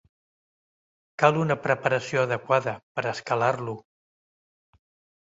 Cal una preparació adequada per escalar-lo.